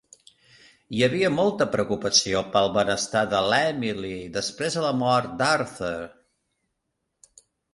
Hi havia molta preocupació pel benestar de l"Emily, després de la mort d"Arthur.